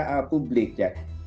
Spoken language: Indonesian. kepada publik ya